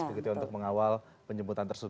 jelas begitu untuk mengawal penjemputan tersebut